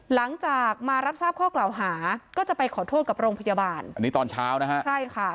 หลังจากมารับทราบข้อกล่าวหาก็จะไปขอโทษกับโรงพยาบาลอันนี้ตอนเช้านะฮะใช่ค่ะ